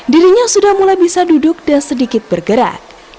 dirinya sudah mulai bisa duduk dan sedikit bergerak